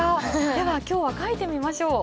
では今日は書いてみましょう。